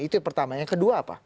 itu yang pertama yang kedua apa